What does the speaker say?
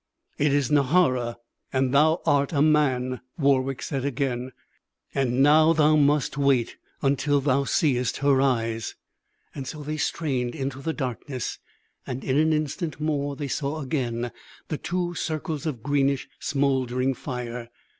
"It is Nahara, and thou art a man," Warwick said again. "And now thou must wait until thou seest her eyes." So they strained into the darkness; and in an instant more they saw again the two circles of greenish, smouldering fire.